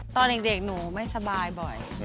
ตอนเด็กหนูไม่สบายบ่อย